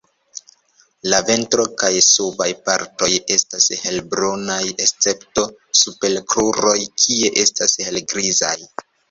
La ventro kaj subaj partoj estas helbrunaj, escepto super kruroj kie estas helgrizaj.